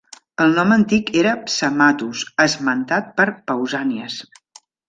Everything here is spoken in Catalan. El nom antic era Psamathous, esmentat per Pausànies.